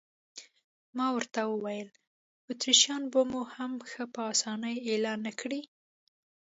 ما ورته وویل: اتریشیان به مو هم ښه په اسانۍ اېله نه کړي.